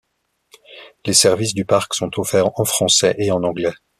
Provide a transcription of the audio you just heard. Les services du parc sont offerts en français et en anglais.